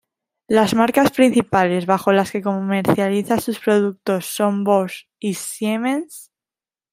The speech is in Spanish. Las marcas principales bajo las que comercializa sus productos son Bosch y Siemens.